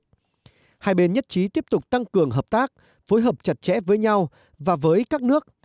hai bên nhất trí tiếp tục tăng cường hợp tác phối hợp chặt chẽ với nhau và với các nước